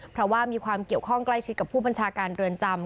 เพราะว่ามีความเกี่ยวข้องใกล้ชิดกับผู้บัญชาการเรือนจำ